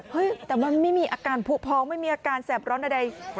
แต่มันไม่มีอาการผู้พองไม่มีอาการแสบร้อนใด